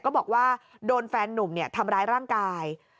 บอกว่าโดนแฟนนุ่มทำร้ายร่างกาย